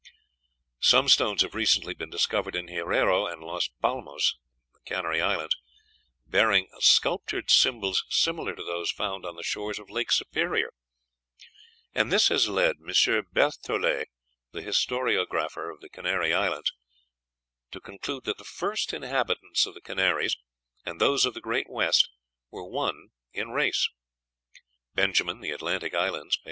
"Some stones have recently been discovered in Hierro and Las Palmas (Canary Islands), bearing sculptured symbols similar to those found on the shores of Lake Superior; and this has led M. Bertholet, the historiographer of the Canary Islands, to conclude that the first inhabitants of the Canaries and those of the great West were one in race." (Benjamin, "The Atlantic Islands," p.